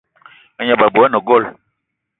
A gneb abui ane gold.